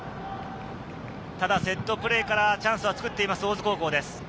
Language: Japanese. ただセットプレーからチャンスは作っています、大津高校です。